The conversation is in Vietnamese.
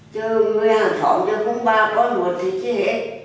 cho người hàng thổ cho con bà có một là chị hết